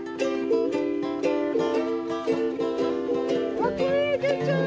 かっこいいケンちゃん！